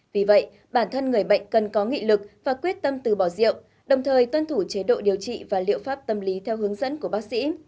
vì vậy bản thân người bệnh cần có nghị lực và quyết tâm từ bỏ rượu đồng thời tuân thủ chế độ điều trị và liệu pháp tâm lý theo hướng dẫn của bác sĩ